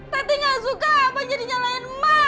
tati gak suka abang jadi nyalain emak